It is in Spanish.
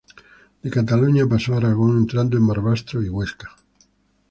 De Cataluña pasó a Aragón entrando en Barbastro y Huesca.